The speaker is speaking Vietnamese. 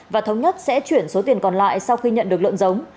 và thống nhất sẽ chuyển số tiền còn lại sau khi nhận được lợn giống